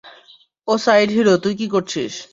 ও side hero তুই কি করছিস?